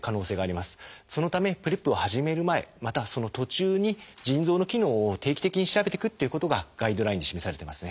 そのためＰｒＥＰを始める前またはその途中に腎臓の機能を定期的に調べてくっていうことがガイドラインに示されてますね。